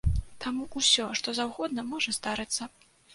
Там усё што заўгодна можа здарыцца.